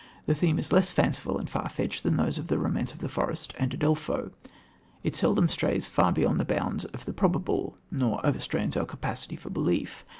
The theme is less fanciful and far fetched than those of The Romance of the Forest and Udolpho. It seldom strays far beyond the bounds of the probable, nor overstrains our capacity for belief.